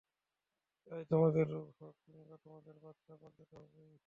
চায় তোমাদের রোগ হোক, কিংবা তোমাদের বাচ্চা, পালতে তো হয় আমাদেরই!